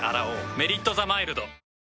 「メリットザマイルド」